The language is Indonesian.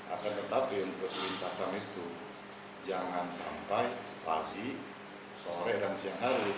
akan tetapi untuk lintasan itu jangan sampai pagi sore dan siang hari